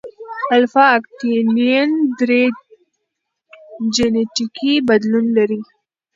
الفا اکتینین درې جینیټیکي بدلون لري.